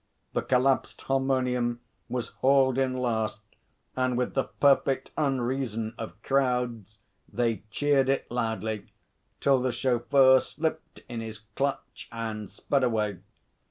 The collapsed harmonium was hauled in last, and with the perfect unreason of crowds, they cheered it loudly, till the chauffeur slipped in his clutch and sped away.